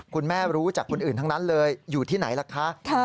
คุณแม่รู้จากคนอื่นทั้งนั้นเลยอยู่ที่ไหนล่ะคะ